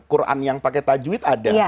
quran yang pakai tajwid ada